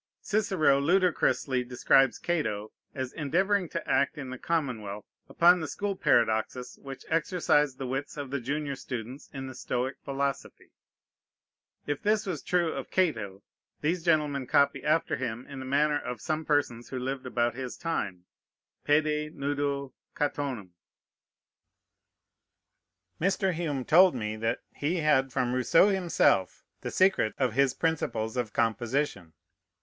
Cicero ludicrously describes Cato as endeavoring to act in the commonwealth upon the school paradoxes which exercised the wits of the junior students in the Stoic philosophy. If this was true of Cato, these gentlemen copy after him in the manner of some persons who lived about his time, pede nudo Catonem. Mr. Hume told me that he had from Rousseau himself the secret of his principles of composition.